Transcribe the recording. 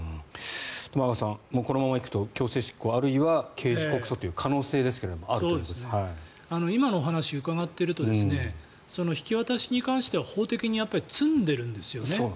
玉川さん、このまま行くと強制執行あるいは刑事告訴という可能性ですが今のお話を伺っていると引き渡しに関しては法的に詰んでるんですよね。